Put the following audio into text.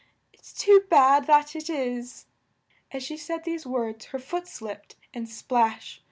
It's too bad, that it is!" As she said these words her foot slipped, and splash!